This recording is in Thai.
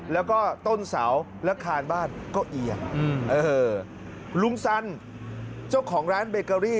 แล้วก็ต้นเสาและคานบ้านก็เอียงเออลุงสันเจ้าของร้านเบเกอรี่